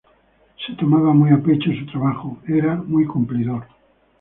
Se tomaba muy a pecho su trabajo, era muy cumplidor